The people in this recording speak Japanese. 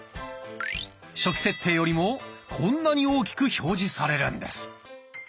初期設定よりもこんなに大きく表示されるんです。